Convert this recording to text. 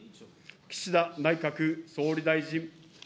岸田内閣総理大臣。